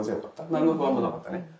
何の不安もなかったね。